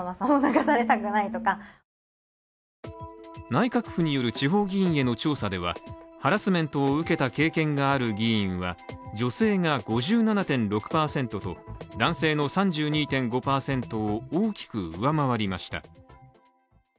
内閣府による地方議員への調査では、ハラスメントを受けた経験がある議員は女性が５７．６％と、男性の３２．５％を大きく上回りました。